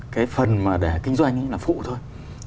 cái phần mà để kinh doanh là phụ thôi